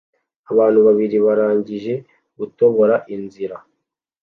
Abantu babiri barangije gutobora inzira